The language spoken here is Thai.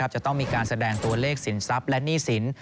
จะต้องมีการแสดงตัวเลขสินทรัพย์และหนี้สิน